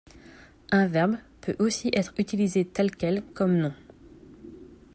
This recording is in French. Un verbe peut aussi être utilisé tel quel comme nom.